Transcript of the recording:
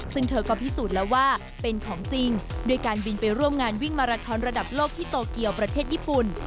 ซึ่งเธอก็พิสูจน์แล้วว่าเป็นของจริงด้วยการบินไปร่วมงานวิ่งมาราทอนระดับโลกที่โตเกียวประเทศญี่ปุ่น